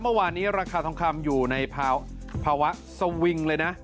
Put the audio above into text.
เมื่อวานนี้ราคาทองคำอยู่ในภาวะสวิงเลยนะ